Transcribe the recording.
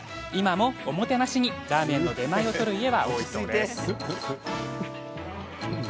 今も、おもてなしにラーメンの出前を取る家は多いそうです。